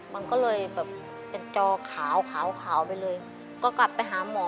มันก็เลยแบบเป็นจอขาวขาวไปเลยก็กลับไปหาหมอ